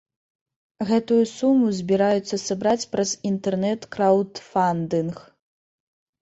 Гэтую суму збіраюцца сабраць праз інтэрнэт-краўдфандынг.